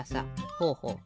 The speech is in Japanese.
ほうほう。